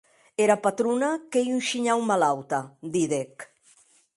Era patrona qu’ei un shinhau malauta, didec.